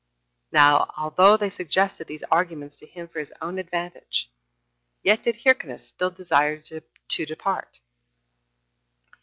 3. Now although they suggested these arguments to him for his own advantage, yet did Hyrcanus still desire to depart.